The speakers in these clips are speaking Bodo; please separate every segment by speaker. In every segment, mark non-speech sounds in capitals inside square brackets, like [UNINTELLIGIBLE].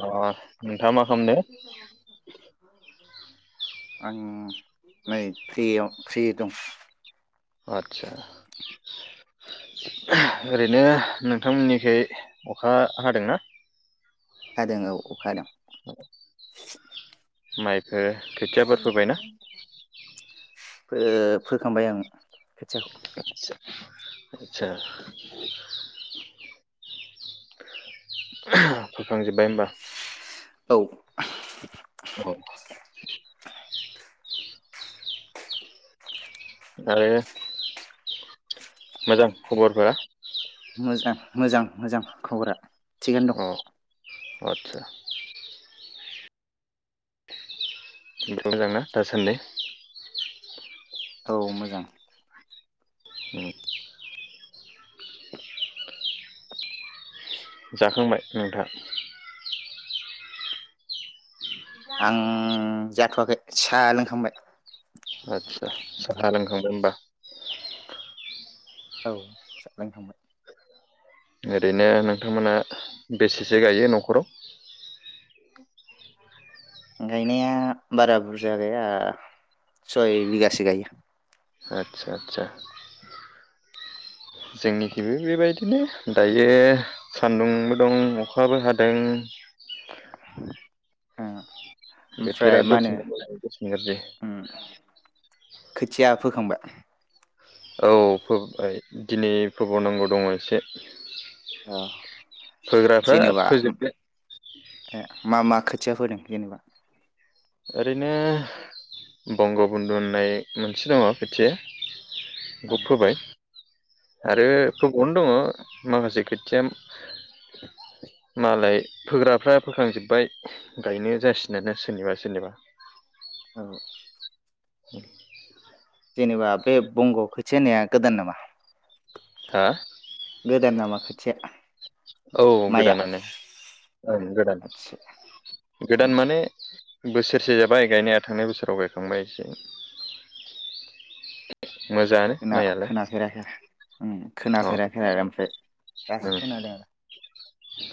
Speaker 1: अ' नोंथाङा मा खामनो
Speaker 2: आं नै फ्रियाव फ्रि दं।
Speaker 1: आदसा ओरैनो नोंथांमोननिखै अखा हादोंना?
Speaker 2: हादों औ अखा हादों।
Speaker 1: मायब हो खोथियाफोर फोबाय ना?
Speaker 2: ओ फोखांबाय आं। खोथियाखौ।
Speaker 1: आदसा आदसा [INAUDIBLE] फोखां जोबबाय होमबा
Speaker 2: औ।
Speaker 1: औ। आरो मोजां खबरफ्रा?
Speaker 2: मोजां मोजां मोजां खबरा। थिगानो दं।
Speaker 1: अ आदसा। आमफ्राय मोजां ना दासान्दि?
Speaker 2: दं औ मोजां।
Speaker 1: [UNINTELLIGIBLE] जाखांबाय नोंथां?
Speaker 2: आं जाथ'वाखै सा लोंखांबाय।
Speaker 1: आतसा साहा लोंखांबाय होमबा?
Speaker 2: औ सा लोंखांबाय।
Speaker 1: ओरैनो नोंथां मोना बेसेसो गायो न'खराव?
Speaker 2: गायनाया बारा बुरजा गैया सय बिगासो गायो।
Speaker 1: आदसा आदसा जोंनिखैबो बेबायदिनो दायो सान्दुं बो दं अखाबो हादों।
Speaker 2: ओम।
Speaker 1: बोथोरा
Speaker 2: ओमफ्राय मा होनो
Speaker 1: दसेनो मोजां दसेनो गाज्रि।
Speaker 2: ओम खोथिया फोखांबाय?
Speaker 1: औ फोबाय दिनै फोबावनांगौ दङ एसे।
Speaker 2: ओ
Speaker 1: फोग्राफ्रा
Speaker 2: जेनेबा
Speaker 1: फोजोब्बाय
Speaker 2: ओ मा मा खोथि खोथिया फोदों जेनेबा?
Speaker 1: ओरैनो बंग बन्दु होननाय मोनसे दङ खोथिया बेखौ फोबाय
Speaker 2: औ
Speaker 1: आरो फो अनो दङ माखासे खोथिया मालाय फोग्राफ्रा फोखांजोब्बाय गायनो जासिगोना सोरनिबा सोरनिबा।
Speaker 2: औ।
Speaker 1: ओम।
Speaker 2: जेनेबा बे बंग' खोथिया होननाया गोदान नामा?
Speaker 1: हा?
Speaker 2: गोदान नामा खोथिया?
Speaker 1: औ
Speaker 2: माइआ
Speaker 1: गोदानानो
Speaker 2: आदसा
Speaker 1: ओं गोदान गोदान
Speaker 2: उम
Speaker 1: माने बोसोरसे जाबाय गायनाया थांनाय बोसोराव गायखांबाय एसे। मोजाङानो
Speaker 2: खोना
Speaker 1: माइयालाय
Speaker 2: खोनाफेराखै ओं
Speaker 1: अ
Speaker 2: खोनाफेराखै आरो ओमफ्राय दासो खोनादों आरो।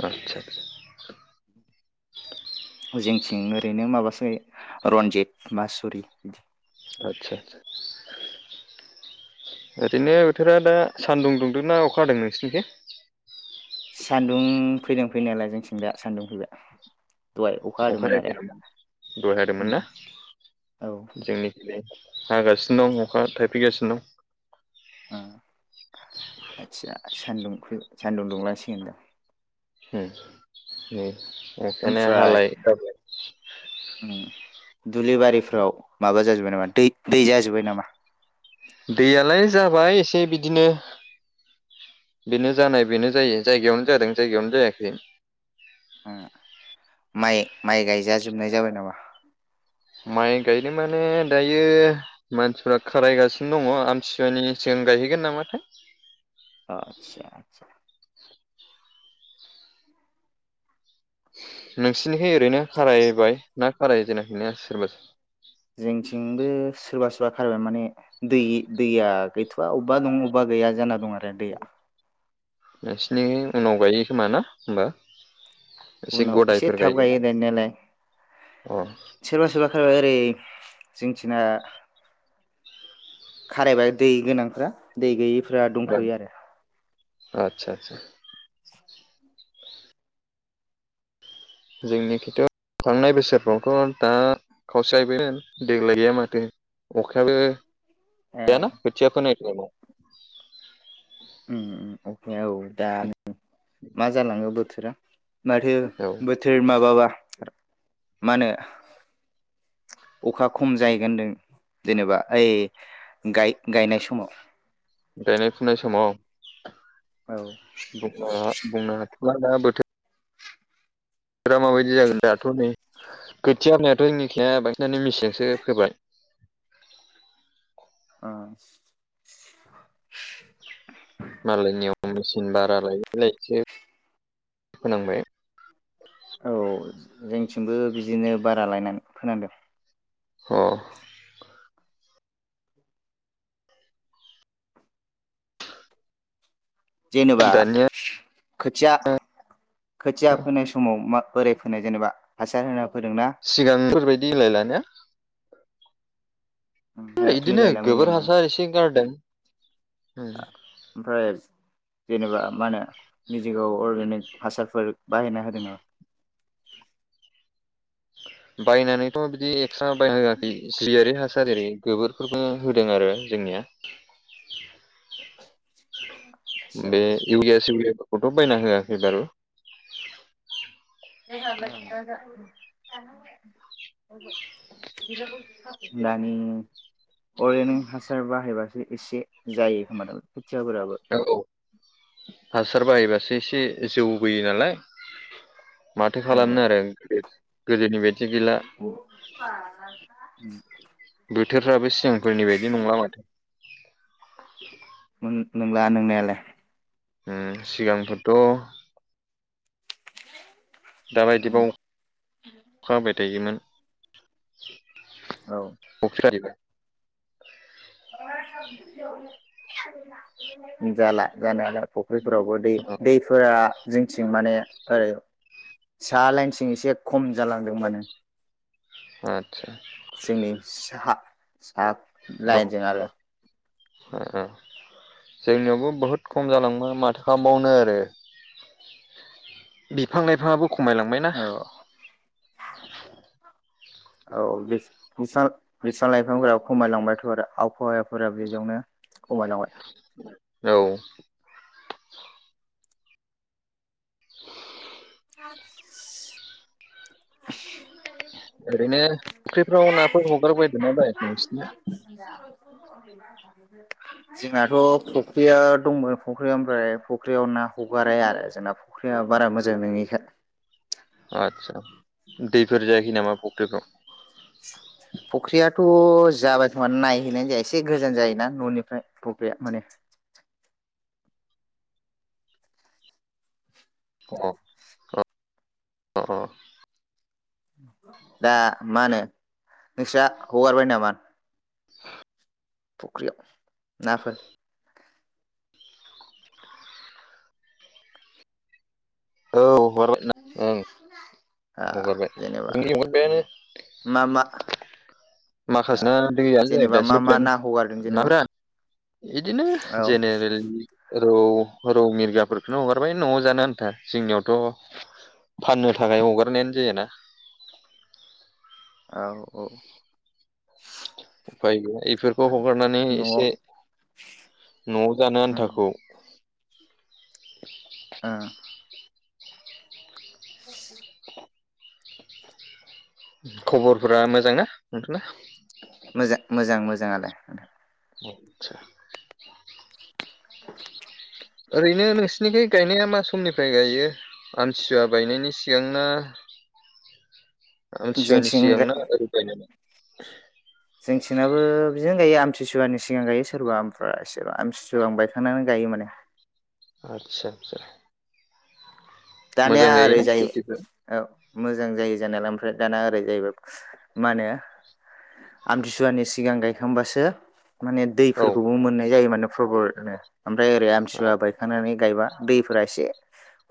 Speaker 1: आतसा।
Speaker 2: जोंथिं ओरैनो माबासो रन्जित मासुरि बिदि
Speaker 1: आदसा सा सा ओरैनो बोथोरा दा सानदुं दुंदों ना अखा हादों नोंसिनिखै?
Speaker 2: सान्दुं फैदों फैनायालाय जोंथिं दा सान्दुं फैबाय दहाय
Speaker 1: अखा [UNINTELLIGIBLE]
Speaker 2: हादोंमोन आरो
Speaker 1: दाहाय हादोंमोन
Speaker 2: उम
Speaker 1: ना
Speaker 2: औ
Speaker 1: जोंनिखैजाय हागासिनो दं अखा थाइफैगासिनो दं।
Speaker 2: आदचा सानदुंखु सानदुं दुंलांसिगोन दां
Speaker 1: होम बे अखायानो
Speaker 2: ओमफ्राय
Speaker 1: हालाय गारलाय
Speaker 2: दुब्लि बारिफ्राव माबा जाजोबाय नामा दै दै जाजोबबाय नामा?
Speaker 1: दैयालाय जाबाय एसे बिदिनो बेनो जानाय बेनो जायो जायगायावनो जादों जायगायावनो जायाखै
Speaker 2: ओ माइ माइ गायजाजोबनाय जाबाय नामा?
Speaker 1: माइ गायदों माने दायो मानसिफ्रा खारायगासिनो दङ आमथिुवानि सिगां गायहैगोन नामाथाय।
Speaker 2: आतसा आतसा
Speaker 1: नोंसिनिहाय ओरैनो खारायबाय ना खाराय जेनाखैनो सोरबा सो
Speaker 2: जोंनिथिंबो सोरबा बा खारायबाय माने दै दैया गैथ'वा अबेबा दं अबेबा गैया जा दं आरो दैया
Speaker 1: नोंसिनि उनाव गायो खोमा ना होमबा
Speaker 2: उनाव एसे
Speaker 1: गदायफोर
Speaker 2: थाब
Speaker 1: गायगोन
Speaker 2: गायो गायनायालाय।
Speaker 1: ना अ
Speaker 2: सोरबा सोरबा ओरै जोंनिथिंना खारायबाय दै गोनांफ्रा दै गैयि [UNINTELLIGIBLE] दंथयो आरो
Speaker 1: आतसा आतसा। जोंनि खिथ थांनाय बोसोरफ्रावथ दा खावसेयबो देग्लाय गैया माथो अखायाबो
Speaker 2: ए
Speaker 1: दानिया खोथिया फोनायखौ [INAUDIBLE]
Speaker 2: उम उम अखाया औ दा मा जालांङो बो- बोथोरा माथो
Speaker 1: औ
Speaker 2: बोथोर माबाबा मा होनो अखा खम जाहैग होनदों जेनेबा ओइ गाय गायनाय समाव
Speaker 1: गायनाय फुनाय समाव
Speaker 2: औ
Speaker 1: बुंनो हाथआ दा बोथोर [UNINTELLIGIBLE]
Speaker 2: आ
Speaker 1: मालायनियाव मेचिन भारा लायो बिलाइसे फोनांबाय
Speaker 2: औ जोंथिंबो बिदिनो बारा लायनानै फोनांदों
Speaker 1: ह
Speaker 2: जेनेबा
Speaker 1: दानिया
Speaker 2: खोथिया खोथिया फोननाय समाव मा बोराय फोनो जेनेबा हासार होनांग
Speaker 1: सिगांफोरबायदिलायला दानिया
Speaker 2: ओमहो
Speaker 1: बिदिनो
Speaker 2: मिलायला
Speaker 1: गोबोर
Speaker 2: मिलायनाया
Speaker 1: हासार एसे गारदों उम
Speaker 2: ओमफ्राय जेनेबा मा होनो मिजिगआव अर्गेनिक हासारफोर बाहायना होदों नामा
Speaker 1: बायनानैथ बिदि [UNINTELLIGIBLE] जेरै गोबोरफोरबो होदों आरो जोंनिया
Speaker 2: आदसा
Speaker 1: बे इउरिया सिउरियाखौ खौथ बायना होआखै बारु
Speaker 2: [UNINTELLIGIBLE] दानि अरगेनिक हासार बाहायबासो एसे जायो खोमा दं जाबोराबो
Speaker 1: औ औ हासार बाहाय बासो एसे जौबोयो नालाय [INAUDIBLE] माथो
Speaker 2: औ
Speaker 1: खालामनो आरो [UNINTELLIGIBLE] गोदोनि [UNINTELLIGIBLE]
Speaker 2: [INAUDIBLE]
Speaker 1: [UNINTELLIGIBLE] सिगांफोरनि बायदि नंला माथो
Speaker 2: ला नोंनायालाय
Speaker 1: उम सिगांफोरथ दााबायदिबाव अखाबाय दैयोमोन
Speaker 2: औ
Speaker 1: [UNINTELLIGIBLE] [INAUDIBLE]
Speaker 2: [UNINTELLIGIBLE] बैफोरावबो दै दैफोरा जोंथिं माने ओरै सा लाइनथिं एसे खम जालांदों माने
Speaker 1: आतसा
Speaker 2: जोंनि साहा
Speaker 1: औ
Speaker 2: साहा [UNINTELLIGIBLE]
Speaker 1: [UNINTELLIGIBLE] जोंनियावबो बहुद खम जालांबाय माथो खालामबावनो आरो बिफां -लाइफाङाबो खमायलांबायना
Speaker 2: औ औ [UNINTELLIGIBLE] लाइफांफोरा खमायलांबायथ' आरो आफहावायाफोरा बेयावनो खमाय लांबाय
Speaker 1: औ [UNINTELLIGIBLE]
Speaker 2: [UNINTELLIGIBLE]
Speaker 1: ओरैन‍ो फख्रिफ्राव नाफोर हगारबायदोंना बायाखै नोंसिनिया
Speaker 2: जोंनाथ' फख्रिया दंमोन फख्रिया ओमफ्राय फख्रियाव ना हगारा आरो जोंना फख्रिया बारा मोजां नोङि [UNINTELLIGIBLE]
Speaker 1: आदसा दैफोर जायाखै नामा फुख्रिफ्राव?
Speaker 2: फख्रियाथ' जाबाय खोमा नायहैनाय जाया एसे गोजान जायोना ननिफ्राय फख्रिया माने
Speaker 1: [UNINTELLIGIBLE]
Speaker 2: दा मा होनो नोंस्रा हगारबाय नामा? फुख्रियाव नाफोर
Speaker 1: औ ना ओं
Speaker 2: आ
Speaker 1: हगारबाय
Speaker 2: जेनेबा
Speaker 1: जों हगारबायानो
Speaker 2: मा मा
Speaker 1: [UNINTELLIGIBLE]
Speaker 2: आ जेनेबा मा मा ना हगारदों जेनेबा औ
Speaker 1: रौ -रौ मिरगाफोरखौनो हगारबाय नआव जानो आन्था जोंनियावथ' फाननो थाखाय हगारनायानो जायाना
Speaker 2: औ औ
Speaker 1: उफाय गैया बेफोरखौ हगारनानै
Speaker 2: न'आव
Speaker 1: एसे न'आव जानो आन्थाखौ
Speaker 2: आ [UNINTELLIGIBLE]
Speaker 1: खबरफोरा मोजां ना नोंथांना
Speaker 2: मोजां मोजां मोजाङालाय
Speaker 1: [INAUDIBLE] ओरैनो नोंसिनिखाय गायनाया मा समनिफ्राय गायो आमथिसुवा गायनायनि सिगांना आमथिसुवा नि
Speaker 2: जोंथिं
Speaker 1: सिगां ना [UNINTELLIGIBLE] [INAUDIBLE]
Speaker 2: जोंथिंनाबो बिदिनो गायो आमतिसुवानि सिगां गायो सोरबा आमफ्राय एसेबां आमतिसुवा आं बायखांनानै गायो माने
Speaker 1: आदसा -आदसा
Speaker 2: दानिया
Speaker 1: मोजां
Speaker 2: ओरै
Speaker 1: जायोना
Speaker 2: जायो
Speaker 1: खेथिफ्रा
Speaker 2: औ मोजां जायो जानायालाय ओमफ्राय दाना [UNINTELLIGIBLE] आमथिसुवानि सिगां गायखांबासो माने दैफोरखौबो
Speaker 1: औ
Speaker 2: मोननाय जायो माने [UNINTELLIGIBLE] ओमफ्राय ओरै आमसुवा बायखांनानै गायबा दैफोरा एसे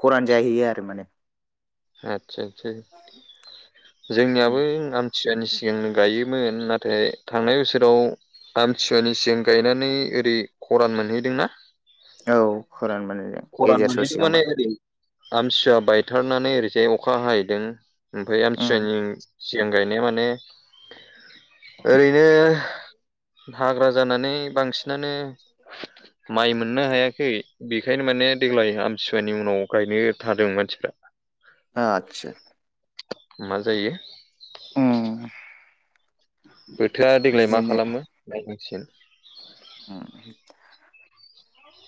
Speaker 2: खरानि जाहैयो आरो माने
Speaker 1: आतसा आतसा आतसा। जोंनियाबो आमथियानि सि गांनो गायोमोन नाथाय थांनाय बोसोराव आमथिसुवानि सिगां गायनानै ओरै खरान मोनहैदोंना
Speaker 2: औ। खरान माने
Speaker 1: खरान
Speaker 2: गेजेर
Speaker 1: मोनहैदों
Speaker 2: ससेयाव
Speaker 1: माने ओरै आमसुवा बाय थारनानै ओरैजाय अखा हाहैदों ओमफ्राय
Speaker 2: उम
Speaker 1: आमसुवानि सिगां गायनाया माने ओरैनो हाग्रा जानानै बांसिनानो माइ मोननो हायाखै बेखायनो माने देग्लाय आमसुवानि उनाव गायनो थादों मानसिफ्रा।
Speaker 2: आतसा।
Speaker 1: मा जायो
Speaker 2: उम
Speaker 1: [INAUDIBLE] बोथोरा देग्लाय मा
Speaker 2: बिदिनो
Speaker 1: खालामो। [UNINTELLIGIBLE]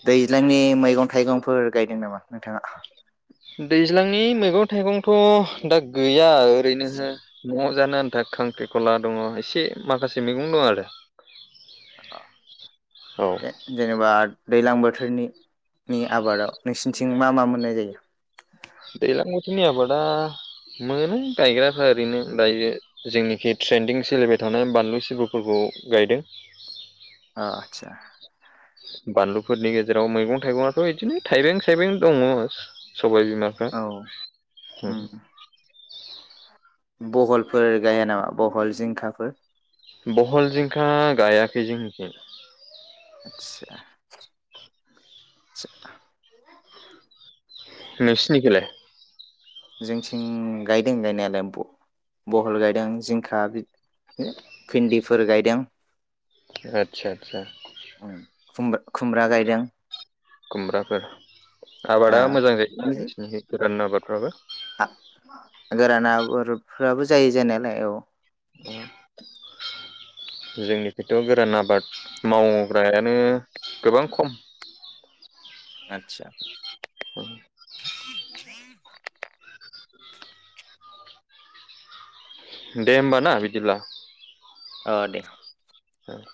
Speaker 2: दैज्लांनि मैगं थाइगंफोर गायदों नामा नोंथाङा?
Speaker 1: दैज्लांनि मैगं थाइगंथ' दा गै गया ओरैनोसो न' जानो आनथा खांख्रिखला दङ एसे माखासे मैगं दं आरो
Speaker 2: अ जे जेनेबा दैज्लां बोथोरनिनि आबादाव नोंसिनथिं मा मा मोननाय जायो?
Speaker 1: दैज्लां बोथोरनि आबादा मोनोलै गायग्राफ्रा ओरैनो दायो जोंनिखि ट्रेन्दिं सोलिबाय थानाय बानलु सिब्रुफोरखौ गायदों।
Speaker 2: अ आदसा।
Speaker 1: बानलुफोरनि गेजेराव मैगं थाइगं आथ' इदिनो थायबें सायबें दङ। सबाय बिमाफ्रा
Speaker 2: औ उम बहलफोर गाया नामा बहल जिंखाफोर?
Speaker 1: बहल जिंखा गायाखै जोंनिथिं।
Speaker 2: आदसा आदसा।
Speaker 1: नोंसिनिखैलाय?
Speaker 2: जोंथिं गायदों गायनायालाय ब बहल गायदों जिंखा [INAUDIBLE] भिन्दिफोर गायदों।
Speaker 1: आदसा आदसा।
Speaker 2: खुमबा खुमब्रा गायदों।
Speaker 1: खुमब्राफोर
Speaker 2: ओ
Speaker 1: आबादा मोजां जायो ना नोंसिनिखैफोर? [UNINTELLIGIBLE] आबादफोराबो
Speaker 2: आ गोरान आबादफोर फोराबो जायो जानायालाय औ
Speaker 1: जोंनि खथ गोरान आबाद मावग्रायानो गोबां खम
Speaker 2: आतसा [INAUDIBLE] [INAUDIBLE]
Speaker 1: दे होमबा ना बिदिब्ला
Speaker 2: औ दे
Speaker 1: औ